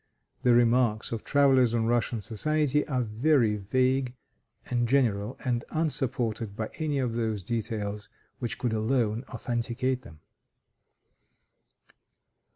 The remarks of travelers on Russian society are very vague and general, and unsupported by any of those details which could alone authenticate them.